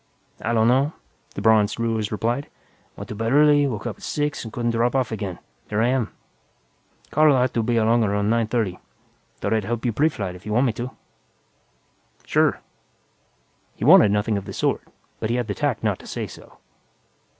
"I donno," the bronzed Ruiz replied. "Went to bed early, woke up at six and couldn't drop off again. And here I am. Carl ought to be along around nine thirty. Thought I'd help you preflight, if you want me to." "Sure." He wanted nothing of the sort, but had the tact not to say so.